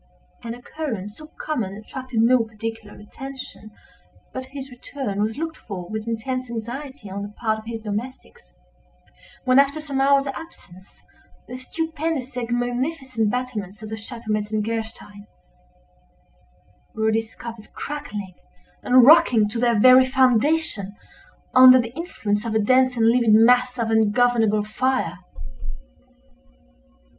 An occurrence so common attracted no particular attention, but his return was looked for with intense anxiety on the part of his domestics, when, after some hours' absence, the stupendous and magnificent battlements of the Chateau Metzengerstein, were discovered crackling and rocking to their very foundation, under the influence of a dense and livid mass of ungovernable fire.